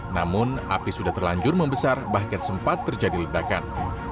namun api sudah terlanjur membesar bahkan sempat terjadi ledakan